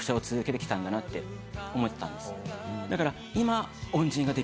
だから。